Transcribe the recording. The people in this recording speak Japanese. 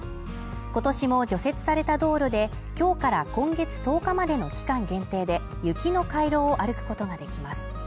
今年も除雪された道路で、今日から今月１０日までの期間限定で雪の回廊を歩くことができます。